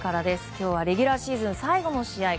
今日はレギュラーシーズン最後の試合。